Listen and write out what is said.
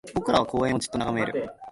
僕らは公園をじっと眺める